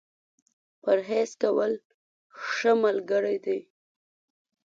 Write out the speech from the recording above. پرهېز کول ، ښه ملګری دی.